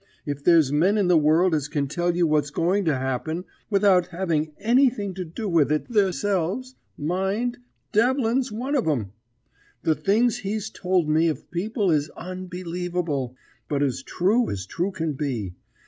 If there's men in the world as can tell you what's going to happen without having anything to do with it theirselves, mind Devlin's one of 'em. The things he's told me of people is unbelievable, but as true as true can be.